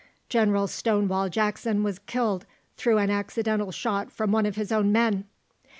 General Stonewall Jackson was killed through an accidental shot from one of his own men.